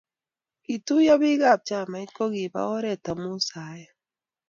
Kituyo biiik ab chamait kokipa oret amu saet